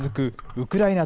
ウクライナ